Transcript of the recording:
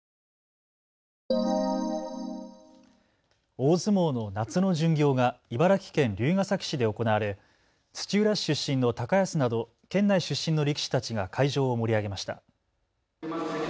大相撲の夏の巡業が茨城県龍ケ崎市で行われ土浦市出身の高安など県内出身の力士たちが会場を盛り上げました。